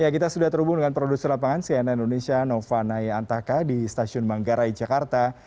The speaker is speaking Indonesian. kita sudah terhubung dengan produser lapangan cnn indonesia nova naya antaka di stasiun manggarai jakarta